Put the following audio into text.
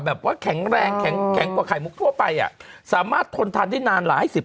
แบบว่าแข็งแรงแข็งแข็งกว่าไข่มุกทั่วไปอ่ะสามารถทนทานได้นานหลายสิบ